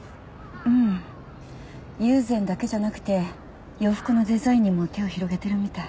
うん友禅だけじゃなくて洋服のデザインにも手を広げてるみたい。